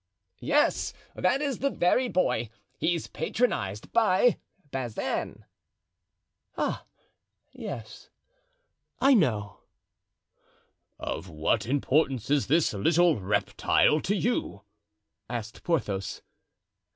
"Yes, that is the very boy; he's patronized by Bazin." "Ah, yes, I know." "Of what importance is this little reptile to you?" asked Porthos.